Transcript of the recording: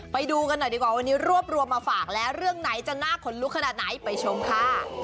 ไปดูกันหน่อยดีกว่าวันนี้รวบรวมมาฝากแล้วเรื่องไหนจะน่าขนลุกขนาดไหนไปชมค่ะ